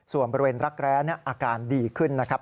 ส่วนบริเวณรักแร้อาการดีขึ้นนะครับ